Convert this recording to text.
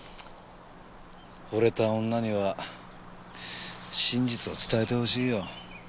惚れた女には真実を伝えてほしいよ。